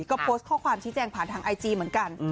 ก็โพสต์ข้อความชี้แจงผ่านทางไอจีเหมือนกัน